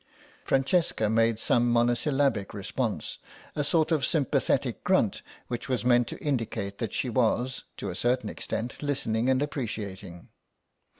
Francesca made some monosyllabic response, a sort of sympathetic grunt which was meant to indicate that she was, to a certain extent, listening and appreciating.